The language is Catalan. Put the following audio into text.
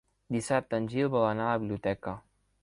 Dissabte en Gil vol anar a la biblioteca.